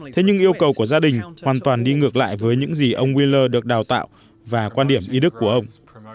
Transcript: thế nhưng yêu cầu của gia đình hoàn toàn đi ngược lại với những gì ông wheeller được đào tạo và quan điểm y đức của ông